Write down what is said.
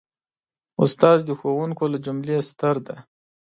استاد د ښوونکو له جملې ستر دی.